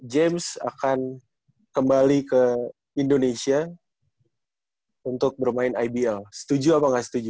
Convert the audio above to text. james akan kembali ke indonesia untuk bermain ibl setuju apa nggak setuju